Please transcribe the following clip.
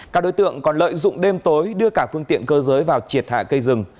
các đối tượng còn lợi dụng đêm tối đưa cả phương tiện cơ giới vào triệt hạ cây rừng